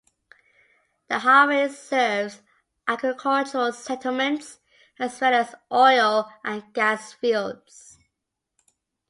The highway serves agricultural settlements as well as oil and gas fields.